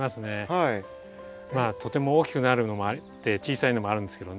まあとても大きくなるのもあって小さいのもあるんですけどね。